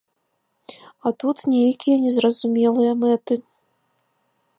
А тут нейкія незразумелыя мэты.